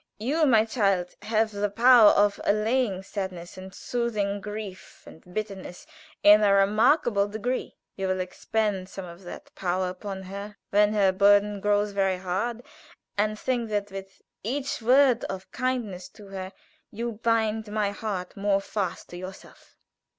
You, my child, have the power of allaying sadness, and soothing grief and bitterness in a remarkable degree. Will you expend some of that power upon her when her burden grows very hard, and think that with each word of kindness to her you bind my heart more fast to yourself?"